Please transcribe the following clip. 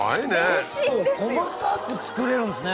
結構細かくつくれるんですね。